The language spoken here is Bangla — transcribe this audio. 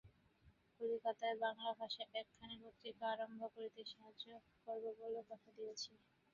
কলিকাতায় বাঙলা ভাষায় একখানি পত্রিকা আরম্ভ করতে সাহায্য করব বলে কথা দিয়েছি।